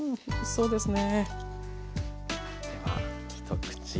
そうですね